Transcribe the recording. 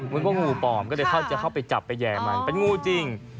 มันก็งูปลอมก็เลยเข้าไปจับไปแย่มันเป็นงูจริง